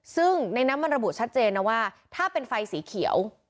ซึ่งในนั้นมันระบุชัดเจนนะว่าถ้าเป็นไฟสีเขียว